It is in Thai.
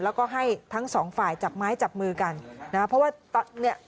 แล้วก็ให้ทั้งสองฝ่ายจับไม้จับมือกันนะฮะเพราะว่าตอนเนี้ย